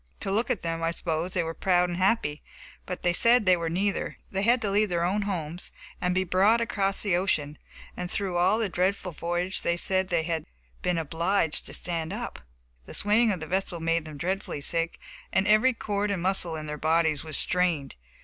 To look at them, I suppose they were proud and happy, but they said they were neither, they had had to leave their own homes, and be brought across the ocean; and through all that dreadful voyage, they said, they had been obliged to stand up. The swaying of the vessel made them dreadfully sick, and every cord and muscle in their bodies was strained.